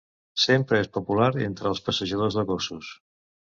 Sempre és popular entre els passejadors de gossos.